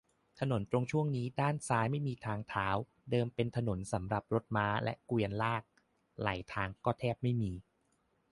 ถนนตรงช่วงนี้ ด้านซ้ายไม่มีทางเท้า เดิมเป็นถนนสำหรับรถม้าและเกวียนลาก ไหล่ทางก็แทบไม่มี